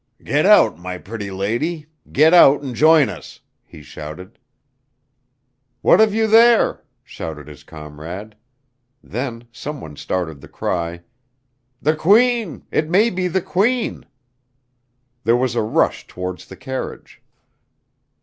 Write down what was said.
"Get out, my pretty lady get out an' join us," he shouted. "What have you there?" shouted his comrade. Then someone started the cry: "The Queen! It may be the Queen!" There was a rush towards the carriage.